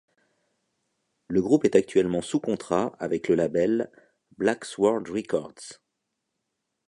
Le groupe est actuellement sous contrat avec le label Black Sword Records.